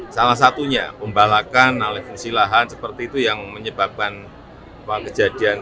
salah satunya pembalakan alih fungsi lahan seperti itu yang menyebabkan kejadian